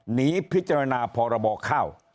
หนีพิจารณาพรบข้าว